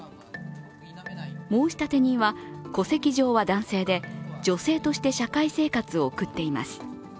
申立人は戸籍上は男性で女性として社会生活を送っています。